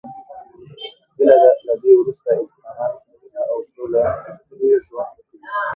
هیله ده له دی وروسته انسانان په مینه او سوله کې ژوند وکړي.